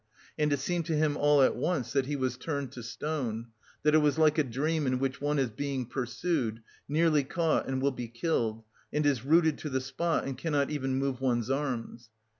And it seemed to him all at once that he was turned to stone, that it was like a dream in which one is being pursued, nearly caught and will be killed, and is rooted to the spot and cannot even move one's arms.